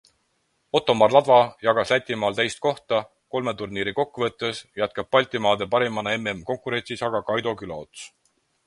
Ottomar Ladva jagas Lätimaal teist kohta, kolme turniiri kokkuvõttes jätkab Baltimaade parimana MM-konkurentsis aga Kaido Külaots.